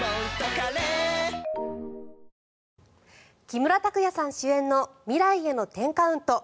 木村拓哉さん主演の「未来への１０カウント」。